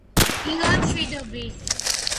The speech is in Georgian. დილამშვიდობის.